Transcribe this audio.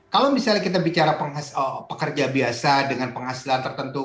kalau misalnya kita bicara pekerja biasa dengan penghasilan tertentu